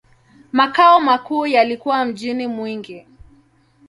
Makao makuu yalikuwa mjini Mwingi.